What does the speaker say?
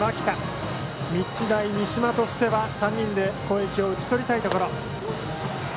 日大三島としては３人で攻撃を打ち取りたいところ。